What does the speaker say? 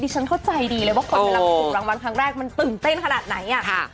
ฉันเข้าใจดีเลยว่าก่อนเวลาไปถูกรางวัลครั้งแรกมันตื่นเต้นขนาดไหนอ่ะ